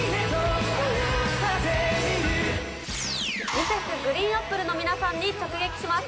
Ｍｒｓ．ＧＲＥＥＮＡＰＰＬＥの皆さんに直撃します。